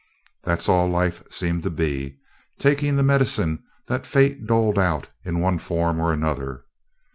That's all life seemed to be taking the medicine the Fates doled out in one form or another.